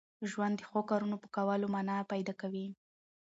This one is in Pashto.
ژوند د ښو کارونو په کولو مانا پیدا کوي.